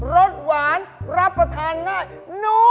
รสหวานรับประทานง่าย